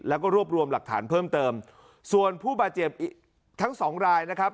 แล้วก็รวบรวมหลักฐานเพิ่มเติมส่วนผู้บาดเจ็บอีกทั้งสองรายนะครับ